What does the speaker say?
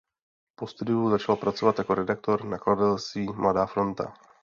Po studiu začal pracovat jako redaktor nakladatelství Mladá fronta.